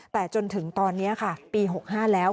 แต่จนถึงตอนนี้ค่ะปี๖๕แล้ว